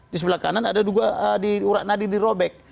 di sebelah kanan ada dua urakan tadi dirobek